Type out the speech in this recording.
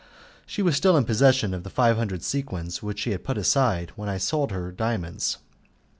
She was still in possession of the five hundred sequins which she had put aside when I had sold her diamonds.